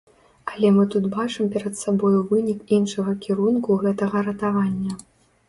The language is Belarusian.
Але мы тут бачым перад сабою вынік іншага кірунку гэтага ратавання.